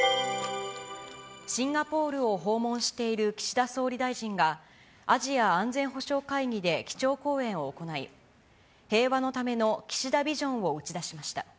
シンガポールを訪問している岸田総理大臣が、アジア安全保障会議で基調講演を行い、平和のための岸田ビジョンを打ち出しました。